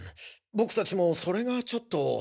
僕達もそれがちょっと。